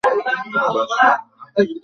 বাস করেন লন্ডন নগরীতে।